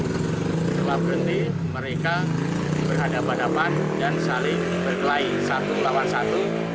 setelah berhenti mereka berhadapan hadapan dan saling berkelahi satu lawan satu